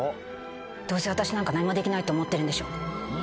どうせ私なんか何もできないと思ってるんでしょ。